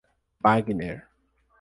Wagner